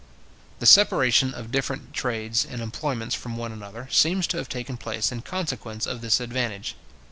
The separation of different trades and employments from one another, seems to have taken place in consequence of this advantage.